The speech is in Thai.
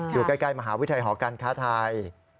อยู่ใกล้มหาวิทยาลัยหอการค้าไทย